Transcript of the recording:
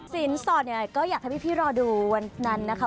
สินสอดเนี่ยก็อยากให้พี่รอดูวันนั้นนะคะ